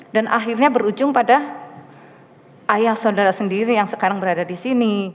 dan akhirnya berujung pada ayah saudara sendiri yang sekarang berada di sini